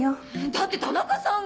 だって田中さんが！